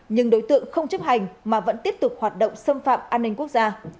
nhưng đối tượng không chấp hành mà vẫn tiếp tục hoạt động xâm phạm an ninh quốc gia